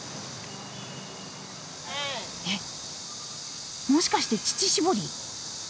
えっもしかして乳搾り？